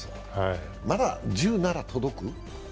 まだ１０なら届く？